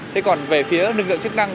thế còn về phía năng lượng chức năng